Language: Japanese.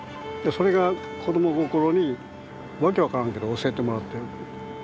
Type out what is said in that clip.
それが子供心に訳分からんけど教えてもらってる。